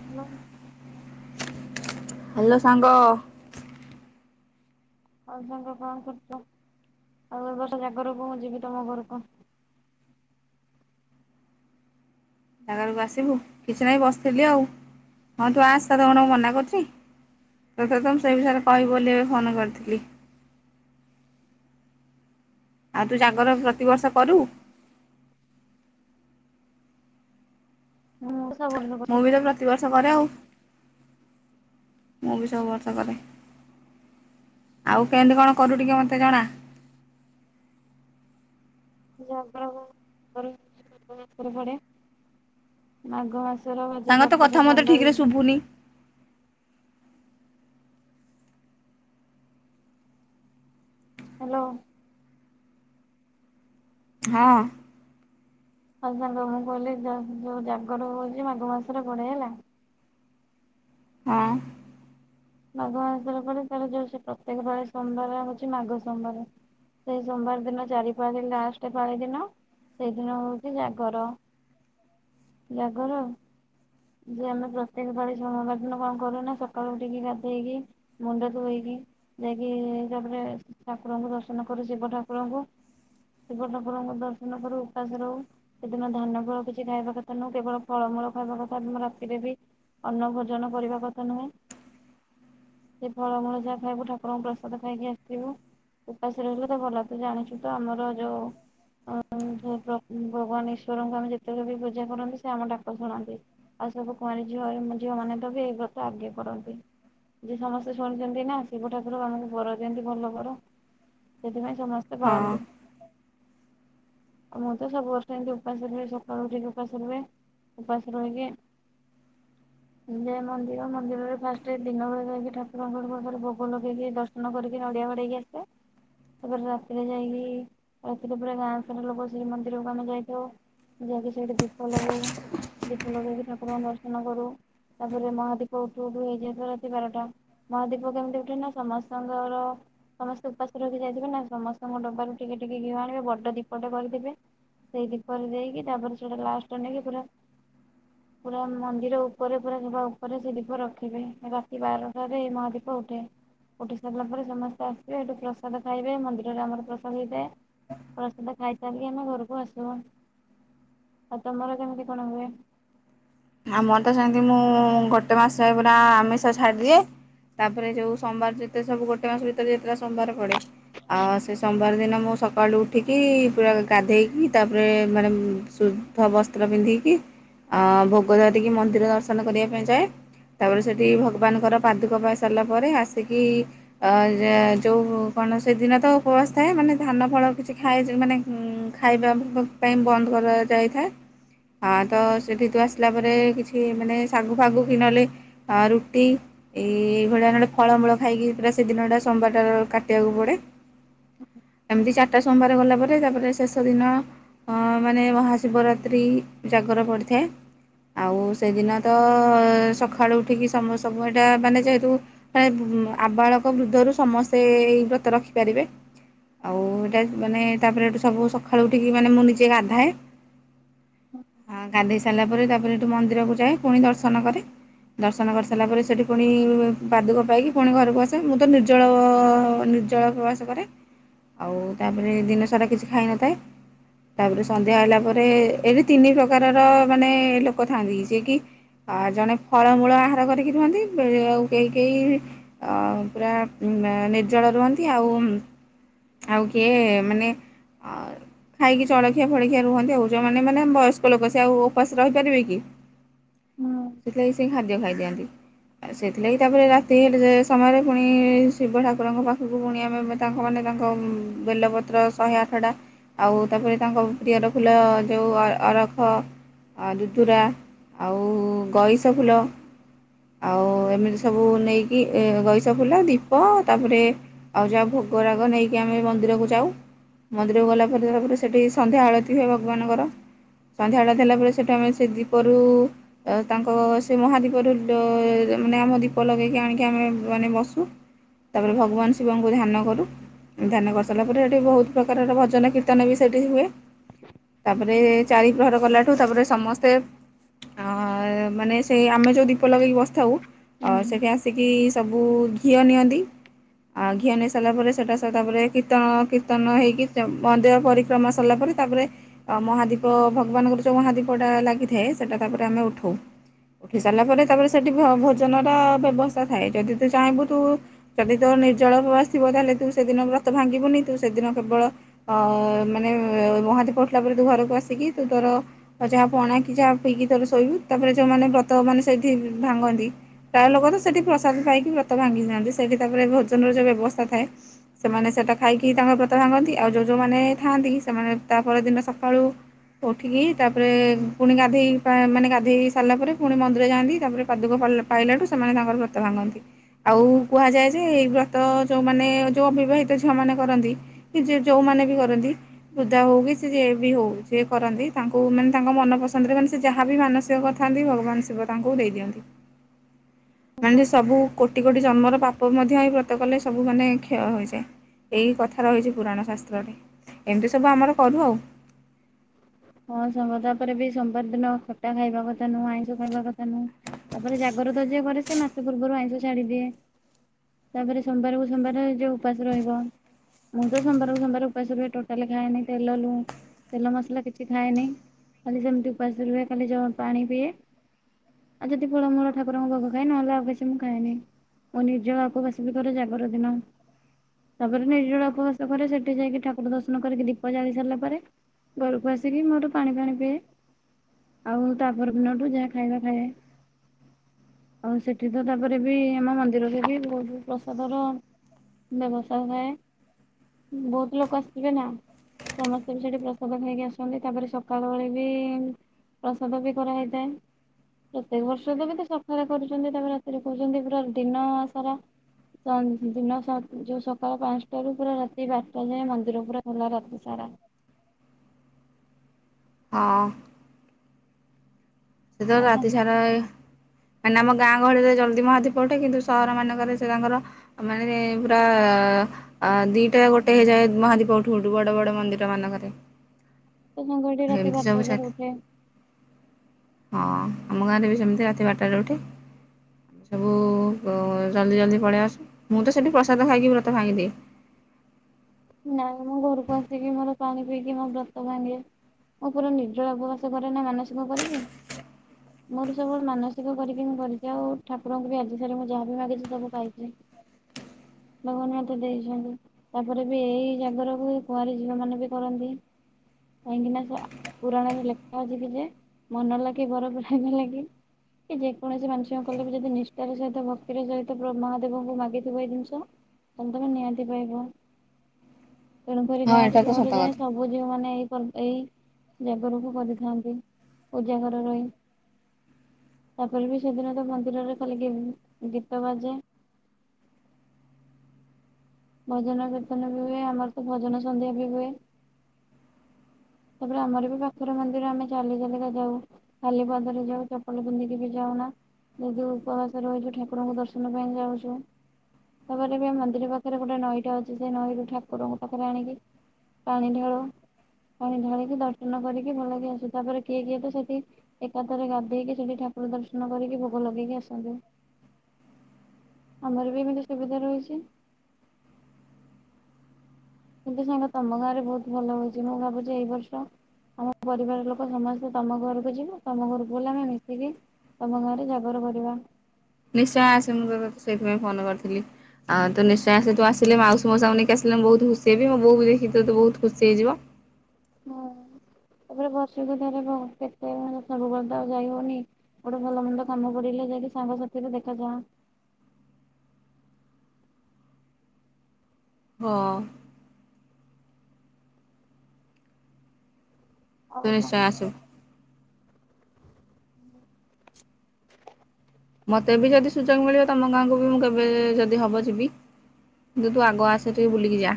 Hello hello ସାଙ୍ଗ। ଆଉ ତାଙ୍କ କଣ କରୁଛ ଆଉ ଏ ବର୍ଷ ଜାଗରକୁ ମୁଁ ଯିବି ତମ ଘରକୁ। ଜାଗରକୁ ଆସିବୁ କିଛି ନାହିଁ ବସିଥିଲି ଆଉ ହଁ ତୁ ଆସ କଣ ମନା କରୁଛି ତ ତ ମୁ ସେ ବିଷୟରେ କହିବି ବୋଲି ଏ ଫୋନ କରିଥିଲି। ଆଉ ତୁ ଜାଗର ପ୍ରତିବର୍ଷ କରୁ। ହଁ। ମୁଁ ବି ତ ପ୍ରତିବର୍ଷ କରେ ଆଉ। ମୁଁ ବି ସବୁ ବର୍ଷ କରେ ଆଉ କେମିତି କଣ କରୁ ଟିକେ ମତେ ଜଣା। ାଗ ପଡେ ମାଘ ମାସ। ସାଙ୍ଗ ତ କଥା ମତେ ଠିକ ରେ ଶୁଭୁନି। ହ୍ୟାଲୋ। ହଁ। ହଉ ସାଙ୍ଗ ମୁଁ କହିଲି ଯୋଉ ଜାଗର ହଉଛି ମାଘ ମାସରେ ଗୋଡେଇ ହେଲା। ହଁ। ମାଘ ମାସର ପରେ ତାାର ଯୋଉ ସେ ପ୍ରତ୍ୟେକ ଫଳି ସୋମବାର ହଉଛି ମାଘ ସୋମବାର ସେଇ ସୋମବାର ଦିନ ଚାରି ପାାଳି ଲାଷ୍ଟ ଫଳି ଦିନ ସେଇଦିନ ହଉଛି ଜାଗର ଜାଗର। ଯେ ଆମେ ପ୍ରତ୍ୟେକ ବାଡି ସୋମବାର ଦିନ କଣ କରୁ ନା ସକାଳୁ ଉଠିକି ଗାଧେଇକି ମୁଣ୍ଡ ଧଇକି ଯାଇକି ତାପରେ ଠାକୁରଙ୍କୁ ଦର୍ଶନ କରୁ ଶିବ ଠାକୁରଙ୍କୁ ଶିବ ଠାକୁରଙ୍କୁ ଦର୍ଶନ କରୁ ଉପାସ ରହୁ ସେଦିନ ଧାନ ଫୂଳ କିଛି ଖାଇବା କଥା ନୁ କେବଳ ଫଳମୂଳ ଖାଇବା କଥା। ପ୍ରମ ରାତିରେ ବି ଅନ୍ନ ଭୋଜନ କରିବା କଥା ନୁହେଁ ସେ ଫଳମୂଳ ଯାହା ଖାଇବୁ ଠାକୁରଙ୍କୁ ପ୍ରସାଦ ଖାଇକି ଆସିବୁ ଉପାସରେହିବୁ ତ ଭଲ ଲ ତୁ ଜାଣିଛୁ ତ ଆମର ଯୋଉ ଭଗବାନ ଈଶ୍ଵରଙ୍କୁ ଆମେ ଯେତେକ ବି ପୂଜା କରନ୍ତି ସେ ଆମ ଡାକ ଶୁଣନ୍ତି। ଆଉ ସବୁ କୁଆାରୀ ଝିଅ ଝିଅ ମାନେ ତ ବି ଏଇ ବ୍ରତ ଆଗେଇ କରନ୍ତି ଯ ସମସ୍ତେ ଶୁଣିଛନ୍ତି ନା ଶିବ ଠାକୁର ଆମଙ୍କୁ ବର ଦିଅନ୍ତି ଭଲ ବର ସେଥିପାଇଁ। ସମସ୍ତେ ହଁ ପନ୍ତୁ ଆଉ ମୁଁ ତ ସବୁ ବର୍ଷ ଏମତି ଉପାସ ରହେ ସକାଳୁଠି କି ଉପାସ ରହେ ଉପାସ ରହିକି ଯ ମନ୍ଦିର ମନ୍ଦିରରେ ଫାଷ୍ଟ ଦିନ ବଳେ ଯାଇକି ଠାକୁରଙ୍କ ପାରେ ଭୋଗ ଲଗେଇକି ଦର୍ଶନ କରିକି ନଡିଆ ବଡେଇକି ଆସେ ତାପରେ ରାତିରେ ଯାଇକି ରାତିରେ ପୁରା ଗାଁ ସରୋ ଲୋକ ଶ୍ରୀମନ୍ଦିରକୁ ଆମେ ଯାଇଥାଉ ଯାଇକି ସେଇଠି ଦୀପ ଲଗଉ ଦୀପ ଲଗେଇକି ଠାକୁରଙ୍କଙ୍କୁ ଦର୍ଶନ କରୁ ତାପରେ ମହାଦୀପ ଉଠୁ ଉଠୁ ହେଇଯାଇିବ ରାତି ବାରଟା ମହାଦୀପ କେମିତି ଉଠେ ନା ସମସ୍ତଙ୍କର ସମସ୍ତେ ଉପାସ ରକି ଯାଇଥିବେ ନା ସମସ୍ତଙ୍କ ଡବାରୁ ଟିକେ ଟିକେ ଘିଅ ଆଣିବେ ବଡ଼ ଦୀପଟେ କରିଥିବେ ସେଇ ଦୀପରେ ଦେଇକି ତାପରେ ସେଇଟା ଲାଷ୍ଟ ନେଇକି ପୁରା। ପୁରା ମନ୍ଦିର ଉପରେ ପୁରା ସଭା ଉପରେ ସେ ଦୀପ ରଖିବେ ରାତି ବାରଟାରେଇ ମହାଦୀପ ଉଠେ ଉଠି ସାରିଲା ପରେ ସମସ୍ତେ ଆସିବେ ଏଠୁ ପ୍ରସାଦ ଖାଇବେ ମନ୍ଦିରରେ ଆମର ପ୍ରସାଦ ହେଇଥାଏ ପ୍ରସାଦ ଖାଇଛି?? ଯାଇକ ଆମେ ଘରକୁ ଆସିବୁ ଆଉ ତମର କେମିତି କଣ ହୁଏ? ଆମର ତ ସେମିତି ମୁଁ ଗୋଟେ ମାସ ହେ ପୁରା ଆମିଷ ଛାଡିଦିଏ। ତାପରେ ଯୋଉ ସୋମବାର ଯେତେ ସବୁ ଗୋଟେ ମାସ ଭିତରେ ଯେତେଳେ ସୋମବାର ପଡ଼େ ଆଉ ସେ ବିବାର ଦିନ ମୁଁ ସକାଳୁ ଉଠିକି ପୁରା ଗାଧେଇକି ତାପରେ ମାନେ ଶୁଦ୍ଧ ବସ୍ତ୍ର ପିନ୍ଧିକି। ଗୋଧ ଦେଇିକି ମନ୍ଦିର ଦର୍ଶନ କରିବା ପାଇଁ ଯାଏ ତାପରେ ସେଠି ଭଗବାନଙ୍କର ପାଦୁକ ପାଇ ସାରିଲା ପରେ ଆସିକି ଯେଉଁ କଣ ସେଦିନ ତ ଉପବାସ ଥାଏ ମାନେ ଧାନ ଫଳ କିଛି ଖାଇ ମାନେ ଖାଇବା ପାଇଁ ବନ୍ଦ କରାଯାଇଥାଏ ତ ସେଠି ତୁ ଆସି ଲା ପରେ କିଛି ମାନେ ଶାଗୁ ଫାଗୁ କି ନଲେ ରୁଟି?? ଏଇ ଭଳିଆ ଗୋଟେ ଫଳମୂଳ ଖାଇକି ପୁରା ସେ ଦିନଟା ସୋମବାରଟାର କାଟିବାକୁ ପଡେ ଏ ଦୁ ଚାରିଟା ସୋମବାର ଗଲା ପରେରେ ତାପରେ ଶେଷ ଦିନ ମାନେ ମହାଶିବରାତ୍ର୍ରୀ ଜାଗର ପଡ଼ିଥାଏ। ଆଉ ସେଦିନ ତ ଅ ସକାଳୁ ଉଠିକି ସବୁ ଏଇଟା ମାନେ ଯେହେତୁ ଆବାଳକ ବୃଦ୍ଧରୁ ସମସ୍ତେ ଏଇ ବ୍ରତ ରଖିପାରିବେ ଆଉ ଏଇଟା ମାନେ ତାପରେ ଏଠୁ ସବୁ ସକାଳୁ ଉଠିକି ମାନେ ମୁଁ ନିଜେ ଗାଧାଏ ହଁ ଗାଧୋଇ ସାରିଲା ପରେ ତା ତାରେ ଏଠୁ ମନ୍ଦିରକୁ ଯାଏ ପୁଣି ଦର୍ଶନ କରେ ଦର୍ଶନ କରିସାରିଲା ପରେ ସେଠି ପୁଣି ପାଦୁକ ପାଇକି ପୁଣି ଘରକୁ ଆସେ ମୁଁ ତ ନିର୍ଜଳ ଅ ନିର୍ଜଳ ଉପବାସ କରେ ଆଉ ତାପରେ ଦିନସାରା କିଛି ଖାଇନଥାଏ ତାପରେ ସନ୍ଧ୍ୟା ହେଲା ପରେ ଏଠି ତିନି ପ୍ରକାରର ମାନେ ଲୋକ ଥାନ୍ତି ଯିଏ କି ଅ ଜଣେ ଫଳମୂଳ ଆହାର କରିକି ରୁହନ୍ତି ଆଉ କେହି କେହି ଅ ପୁରା ନିର୍ଜଳ ରୁହନ୍ତି ଆଉ ଆଉ କିଏ ମାନେ ଅ ଖାଇକି ଚଳଖିଆ ଫଡଖିଆ ରୁହନ୍ତି ଆଉ ଯୋଉମାନେ ମାନେ ବୟସ୍କ ଲୋକ ସେ ଆଉ ଉପାସ ରହିପାରିବେ କି। ହୁଁ ସେତଥିଲାଗି ସେ ଦ ଖାଇଦିଅନ୍ତି ଆ ସେଥିଲାଗି ତାପରେ ରାତି ସମୟରେ ପୁଣି ଶିବ ଠାକୁରଙ୍କ ପାଖକୁ ପୁଣି ଆମେ ତାଙ୍କ ମାନ ତାଙ୍କ ବେଲପତ୍ର ଶହେ ଆଠଟା ଆଉ ତାପରେ ତାଙ୍କ ପ୍ରିୟର ଫୁଲ ଯେଉଁ ଅରଖ ଅ ଦୁଦୁରା ଆଉ ଗଇସ ଫୁଲ। ଆଉ ଏମିତି ସବୁ ନେଇକି ଗଇସ ଫୁଲା ଦୀପ ତାପରେ ଆଉ ଯାହା ଭୋଗ ରାଗ ନେଇକି ଆମେ ମନ୍ଦିରକୁ ଯାଉ ମନ୍ଦିରକୁ ଗଲା ପରେ ତାପରେ ସେଠି ସନ୍ଧ୍ୟା ଆଳତ ହୁଏ ଭଗବାନଙ୍କର ସନ୍ଧ୍ୟା ଆଳତ ହେଲା ପରେ ସେଠି ଆମେ ସେ ଦୀପରୁ ତାଙ୍କ ସେ ମହାଦୀପରୁ ମାନେ ଆମ ଦୀପ ଲଗେଇକି ଆଣିକି ଆମେ ମାନେ ବସୁ ତାପରେ ଭଗବାନ ଶିବଙ୍କୁ ଧ୍ୟାନ କରୁ ଧ୍ୟାନ କରିସାରିଲା ପରେ ସେଠି ବହୁତ ପ୍ରକାରର ଭଜନ କୀର୍ତ୍ତନ ବି ସେଠି ହୁଏ ତାପରେ ଚାରି ପ୍ର୍ରହର କଲାଠୁ ତାପରେ ସମସ୍ତେ ମାନେ ସେଇ ଆମେ ଯେଉଁ ଦି ଦିପ ଲଗେଇ ବସି ଥାଉ ସେଠି ଆସିକି। ସବୁ ଘିଅ ନିଅନ୍ତି ଆଉ ଘିଅ ନେଇ ସାରିଲା ପରେ ସେଇଟା ତାପରେ କୀର୍ତ୍ତନ କୀର୍ତ୍ତନ ହେଇକି ମନ୍ଦିର ପରିକ୍ରମା ସାରିଲା ପରେ ତାପରେ ମହାଦୀପ ଭଗବାନଙ୍କର ଯେଉଁ ମହାଦୀପଟା ଲାଗିଥାଏ ସେଇଟା ତାପରେ ଆମେ ଉଠାଉ ଉଠି ସାରିଲା ପରେ ତାପରେ ସେଠି ଭୋଜନର ବ୍ୟବସ୍ଥା ଥାଏ ଯଦି ତୁ ଚାହିଁବୁ ତୁ ଯଦି ତୋ ନିର୍ଜଳ ଆସିଥିବ ତାହେଲେ ତୁ ସେଦିନ ବ୍ରତ ଭାଙ୍ଗିବୁନି ତୁ ସେଦିନ କେବଳ ମାନେ ମହାନ୍ତି ପଠିଲା ପରେ ତୁ ଘରକୁ ଆସିକି ତୁ ତୋର ଯାହା ପଣା କିି ଯାହା ପିଇକି ତୋର ଶୋଇବୁ ତାପରେ ଯୋଉମାନେ ବ୍ରତ ମାନେ ସେଇଠି ଭାଙ୍ଗନ୍ତି ପ୍ରାୟ ଲୋକ ତ ସେଇଠି ପ୍ରସା ଖାଇକି ବ୍ରତ ଭାଙ୍ଗି ଦିଅନ୍ତି ସେଇଠି ତାପରେ ଭୋଜନର ଯେଉଁ ବ୍ୟବସ୍ଥା ଥାଏ ସେମାନେ ସେଇଟା ଖାଇକିି ତାଙ୍କ ବ୍ରତ ଭାଙ୍ଗନ୍ତି ଆଉ ଯେଉଁ ଯେଉଁମାନେ ଥାଆନ୍ତି ସେମାନେ ତାପ ଦିନ ସକାଳୁ ଉଠିକି ତାପରେ ପୁଣି ଗାଧୋଇ ମାନେ ଗାଧୋଇ ସାରିଲା ପରେ ପୁଣି ମନ୍ଦି ଯାଆନ୍ତି ତାପରେ ପାଦୁକ ପାଇଲାଠୁ ସେମାନେ ତାଙ୍କର ବ୍ରତ ଭାଙ୍ଗନ୍ତି ଆଉ କୁହାଯାଏ ଯେ ଏଇ ବ୍ରତ ଯୋଉମାନେ ଯୋଉ ଅବିବାହିତ ଝିଅମାନେ କରନ୍ତି କି ଯୋଉମାନେ ବି କରନ୍ତି ବୃଧା ହଉ କି ସେ ଯଏ ବି ହଉ ଯିଏ କରନ୍ତି ତାଙ୍କୁ ମାନେ ତାଙ୍କ ମନ ପସନ୍ଦରେ ମାନେ ସେ ଯାହାବ ମାନସିକ କରିଥାନ୍ତି ଭଗବାନ ଶିବ ତାଙ୍କୁ ଦେଇ ଦିଅନ୍ତି। ମାନେ ସେ ହୁଁ ସବୁ କୋଟି କୋଟି ଜନ୍ମର ପାପ ମଧ୍ୟ ମଧ୍ୟଇ ବ୍ରତ କଲେ ସବୁ ମାନେ କ୍ଷୟ ହୋଇଯାଏ ଏଇ କଥା ରହିଛି ପୁରାଣ ଶାସ୍ତ୍ରରେ ଏମିତି ସବୁ ଆମର କରୁ ଆଉ। ହଁ ସାଙ୍ଗ ତାପରେ ବି ସୋମବାର ଦିନ ଖଟା ଖାଇବା କଥା ନୁହଁ ଆଇଁଷ ଖାଇବା କଥା ନୁଁ ତାପରେ ଜାଗର ତ ଯିଏ କରେ ସେ ମାସ ପୂର୍ବରୁ ଆଇଁଷ ଛାଡିଦିଏ ତାପରେ ସୋମବାରେକୁ ସୋମବାରେ ଯଉ ଉପାସ ରହିବ ମୁଁ ତ ସୋମବକୁ ସୋମବାର ଉପାସ ରୁହେ ଟୋଟାଲି ଖାଏନି ତେଲ ଲୁ ତେଲ ମସଲା କିଛି କିଛି ଖାଏନି ଖାଲି ସେମିତି ଉପାସ ରୁହେ ଖାଲି ପାଣି ପିଏ ଆଉ ଯଦି ଫଳମୂଳ ଠାକୁରଙ୍କ ପାଖ ଖାଏ ନହେଲେ ଆଉ କିଛି ମୁଁ ଖାଏନି ମୋ ନିର୍ଜଳା ଉପବାସ ବି କରେ ଜାଗର ଦିନ ତାପରେ ନିର୍ଜଳା ଉପବାସ କରେ ସେଠି ଯାଇକି ଠାକୁର ଦର୍ଶନ କରିକି ଦୀପ ଜାଳି ସାରିଲା ପରେ ଘରକୁ ଆସେ। ଆସିକି ମୋର ପାଣି ପାଣି ପିଏ ଆଉ ତାପରେ ଦିନଠୁଁ ଯାହା ଖାଇବା ଖାଏ ଆଉ ସେଠି ତ ତାପରେ ବି ଆମ ମନ୍ଦିରରେ ବି ବହୁତ ପ୍ରସାଦର ବ୍ୟବସ୍ଥା ଥାଏ ବହୁତ ଲୋକ ଆସିବେ ନା ସମସ୍ତେ ବି ସେଠି ପ୍ରସାଦ ଖାଇକି ଆସ ତାପରେ ସକାଳ ବଳେ ବି ପ୍ରସାଦ ବି କରାହେଇଥାଏ ପ୍ରତ୍ୟେକ ବର୍ଷ ତ ବି ତ ସକାଳେ କରୁଛନ୍ତି ତାପରେ ରାତିରେ କହୁଛନ୍ତି ପୁରା ଦିନ ସାରା ଦିନ ଯୋଉ ସକାଳ ପାଞ୍ଚଟାରୁ ପୁରା ରାତି ବାରଟା ଯାଏ ମନ୍ଦିର ପୁରା ଖଲା ରାତି ସାରା। ହଁ। ସେ ତ ଆଉ ରାତି ସମସ୍ତ ସାରା ମାନେ ଆମ ଗାଁ ଗହଳିରେ ଜଲ୍ଦି ମହାଦଵୀପ ଉଠେ କିନ୍ତୁ ସହର ମାନଙ୍କରେ ସେ ତାଙ୍କର ମାନେ ପୁରା ଦିଟା ଗୋଟେ ହେଇଯାଏ ମହାଦୀପ ଉଠୁ ଉଠୁ ବଡ ବଡ ମନ୍ଦିର ମାନଙ୍କରେ। ସଂଙ୍କଳଠ ରାତି ଏମିତି ସବୁ ବାରଟା ଚାଲେ ସାରି ଉଠେ। ହଁ ଆମ ଗାଁରେ ବି ସେମିତି ରାତି ବାରଟାରେ ଉଠେ ସବୁ ଜଲଦି ଜଲଦି ପଳେଇବା ଆସ ମୁଁ ତ ସେଠି ପ୍ରସାଦ ଖାଇକି ବ୍ରତ ଭାଙ୍ଗିଦିଏ। ନାାଇ ମୁୋ ଘରକୁ ଆସିକି ମୋର ପାଣି ପିଇକି ମୋ ବ୍ରତ ଭାଙ୍ଗେ ମୋ ପୁରା ନିର୍ଜଳ ଉପବାସ କରେ ନା ମାନସିକ କରିକି ମୋର ସବୁବେଳେ ମାନସିକ କରିକି ମୁଁ କରିଛି ଆଉ ଠାକୁରଙ୍କୁ ବି ଆଜି ସାରି ମୁ ଯାହାବି ମାଗିଛି ସବୁ ଖାଇଛି ଭଗବାନ ମୋତେ ଦେଇଛନ୍ତି ତାପରେ। ଏଇ ଜାଗରକୁ କୁଁର ଝିଅ ମାନେ ବି କରନ୍ତି କାହିଁକିନା ପୁରାଣରେ ଲେଖା ଅଛି କି ଯେ ମନ ଲାଗି ବରପ ଲାଗି କି ଯେକୌଣସି ମାନଷ କଲେ ବି ଯଦି ନିଷ୍ଠାର ସହିତ ଭକ୍ତିର ସହିତ ମହାଦେବଙ୍କୁ ମାଗିଥିବ ଏଇ ଜିନିଷ ତମ ନିହାତି ପାଇବ। ତେଣୁ କରିରି ହଁ ଗାଁଠୁ ଏଇଟା ତ ସହର ସତ ଯାଇଁ କଥା ସବୁ ଝି ମେ ଏଇ ଏଇ ଜାଗରକୁ କରିଥାନ୍ତି ପୂଜା ଘର ରହି ତାପରେ ବି ସେଦିନ ତ ମନ୍ଦିରରେ ଖାଲି ଗୀତ ବାଜେ ଭଜନ କୀର୍ତ୍ତନ ବି ହୁଏ ଆମର ତ ଭଜନ ସନ୍ଧ୍ୟା ବି ହୁଏ ତାପରେ ଆମର ବି ପାଖରେ ମନ୍ଦିର ଆମେ ଚାଲି ଚାଲିକା ଯାଉ ଖାଲି ପାଦରେ ଯାଉ ଚପଲ ପିନ୍ଧିକି ବି ଯାଉନା ଯଦି ଉପବାସ ରହୁଛୁ ଠାକୁରଙ୍କୁ ଦର୍ଶନ ପାଇଁ ଯାଉଛୁ ତାପରେ ବି ମନ୍ଦିର ପାଖ ସେଥିରେ ଗୋଟେ ନଈଟା ଅଛି ସେ ନଈରୁ ଠାକୁରଙ୍କ ପାଖରେ ଆଣିକି ପାଣି ଢାଳୁ ପାଣି ଢାଳିକି ଦର୍ଶନ କରିକି ଭଲ କି ଆସୁ ତାପରେ କିଏ କିଏ ତ ସେଠି ଏକାଥରେ ଗାଧେଇକି ସେଠି ଠାକୁର ଦର୍ଶନ କରିକି ଭୋଗ ଲଗେଇକି ଆସନ୍ତୁ ଆମର ବି ଏମିତି ସୁବିଧା ରହିଛି। କିନ୍ତୁ ସାଙ୍ଗ ତମ ଗାଁରେ ବହୁତ ଭଲ ହଉଛି ମୁଁ ଭାବୁଛି ଏଇ ବର୍ଷ ଆମ ପରିବାର ଲୋକ ସମସ୍ତେ ତମ ଘରକୁ ଯିବ ତମ ଘରକୁ ବଲେ ଆମେ ମିଶିକି ତମ ଗାଁରେ ଜାଗର କରିବା। ନିଶ୍ଚୟ ଆସେ ମୁଁ ସେଇଥିପାଇଁ ଫୋନ କରିଥିଲି ଆଉ ତ ନିଶ୍ଚୟ ଆସେ ତୁ ଆସିଲ ମାଉସୀ ମୋ ସାଙ୍ଗ ନେଇକି ଆସିଲେ ମୁଁ ବହୁତ ଖୁସି ହେଇବି ମୋ ବୋଉ ବି ଦେଖି ତୁ ବହୁତ ଖୁସି ହେଇଯିବ। ହଁ ତାପରେ ବର୍ଷକୁ ଥରେ କେତେ ସବୁବେଳେ ତ ଆଉ ଯାଇ ହଉନି ଗୋଟେ ଭଲ ମନ୍ଦ କାମ କରିଲେ ଯାଇକି ସାଙ୍ଗସାଥିରେ ଦେଖାଯାଆ। ହଁ। ଆଉ ତୁ ନିଶ୍ଚୟ ଆସୁ ମୋତେ ବି ଯଦି ସୁଯୋଗ ମିଳିବ ତମ ଗାଁକୁ ବି ମୁଁ କେବେ ଯଦି ହବ ଯିବି, କିନ୍ତୁ ତୁ ଆଗ ଆସେ ଟିକେ ବୁଲିକି ଯା।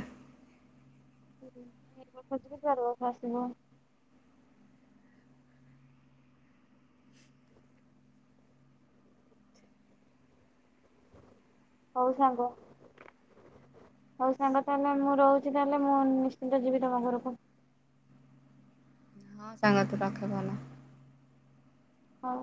ହୁଁ ମୁଁ ଏ ବର୍ଷ ଯିବି ତୁ ଆର ବର୍ଷ ଆସିବୁ। ହଉ ସାଙ୍ଗ ହଉ ସାଙ୍ଗ ତାହେଲେ ମୁଁ ରହୁଛି ତାହେଲେ ମୁଁ ନିଶ୍ଚିନ୍ତ ଯିବି ତମ ଘରକୁ। ହଁ ସାଙ୍ଗ ତୁ ରଖ ଭଲ। ହଉ।